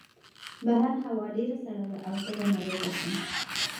بهر هوا ډېره سړه ده او ته به ناروغه شې.